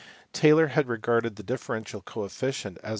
Taylor had regarded the differential coefficient, i.e.